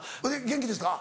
元気ですか？